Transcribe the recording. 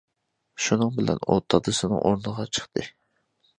شۇنىڭ بىلەن ئۇ دادىسىنىڭ ئورنىغا چىقتى.